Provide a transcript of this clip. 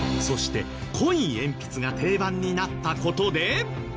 そして濃い鉛筆が定番になった事で。